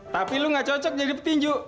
tapi lu gak cocok jadi petinju